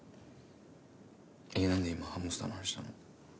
えっ何で今ハムスターの話したの？